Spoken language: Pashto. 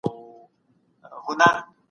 فساد کول تباهي ده.